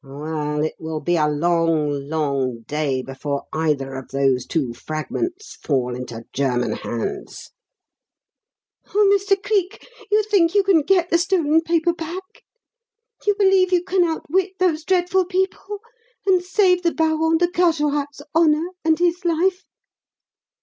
Well, it will be a long, long day before either of those two fragments fall into German hands." "Oh, Mr. Cleek, you think you can get the stolen paper back? You believe you can outwit those dreadful people and save the Baron de Carjorac's honour and his life?"